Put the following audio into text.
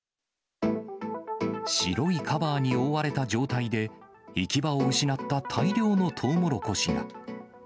白いカバーに覆われた状態で、行き場を失った大量のトウモロコシが。